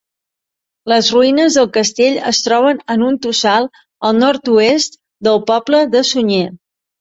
Les ruïnes del castell es troben en un tossal al nord-oest del poble de Sunyer.